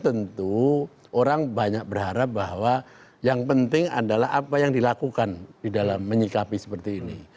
tentu orang banyak berharap bahwa yang penting adalah apa yang dilakukan di dalam menyikapi seperti ini